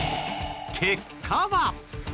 結果は。